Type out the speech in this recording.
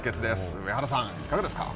上原さん、いかがですか。